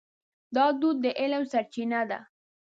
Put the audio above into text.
دا دود د علم سرچینه ده.